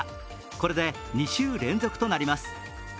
これで２週連続となります。